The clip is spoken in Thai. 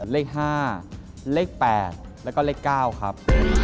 เลข๕เลข๘แล้วก็เลข๙ครับ